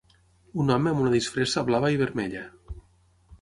Un home amb una disfressa blava i vermella.